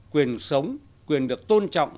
quyền sống quyền được tôn trọng